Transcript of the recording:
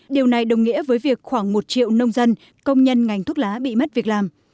điều này đồng nghĩa với việc khoảng một triệu nông dân công nhân ngành thuốc lá bị mất việc làm